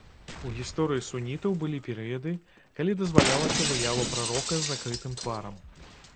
У гісторыі сунітаў былі перыяды, калі дазвалялася выява прарока з закрытым тварам.